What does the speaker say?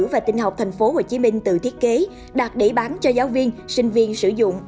và tinh học tp hcm tự thiết kế đặt để bán cho giáo viên sinh viên sử dụng